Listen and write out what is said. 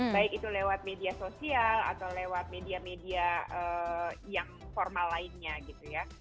baik itu lewat media sosial atau lewat media media yang formal lainnya gitu ya